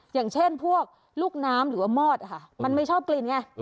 อย่างเช่นพวกลูกน้ำหรือว่ามอดค่ะมันไม่ชอบกลิ่นไง